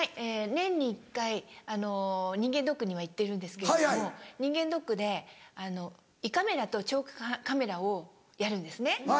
年に１回人間ドックには行ってるんですけれども人間ドックで胃カメラと腸カメラをやるんですね。